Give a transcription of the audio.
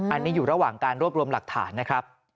อันนี้อยู่ระหว่างการรวบรวมหลักฐานนะครับ